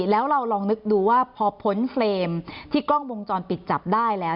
แล้วเราลองนึกดูว่าพอพ้นเฟรมที่กล้องวงจรปิดจับได้แล้ว